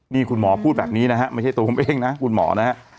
นี่คุณหมอพูดแบบนี้นะฮะไม่ใช่ตัวผมเองนะคุณหมอนะฮะ